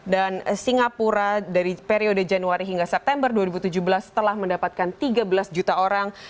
dan singapura dari periode januari hingga september dua ribu tujuh belas telah mendapatkan tiga belas juta orang